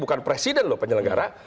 bukan presiden loh penyelenggara